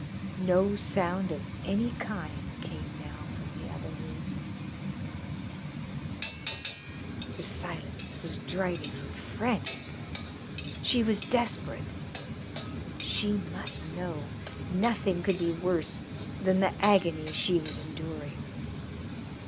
No sound of any kind came now from the other room. The silence was driving her frantic. She was desperate; she must know, nothing could be worse than the agony she was enduring.